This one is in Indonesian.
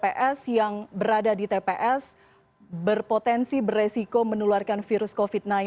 pps yang berada di tps berpotensi beresiko menularkan virus covid sembilan belas